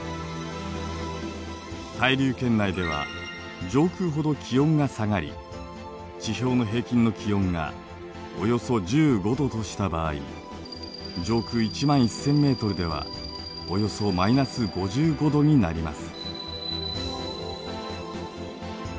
対流圏内では上空ほど気温が下がり地表の平均の気温がおよそ１５度とした場合上空１万１，０００ｍではおよそマイナス５５度になります。